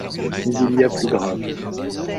Mais il y a plus grave.